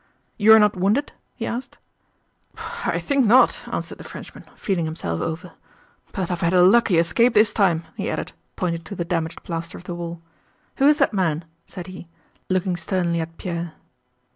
"You are not wounded?" he asked. "I think not," answered the Frenchman, feeling himself over. "But I have had a lucky escape this time," he added, pointing to the damaged plaster of the wall. "Who is that man?" said he, looking sternly at Pierre.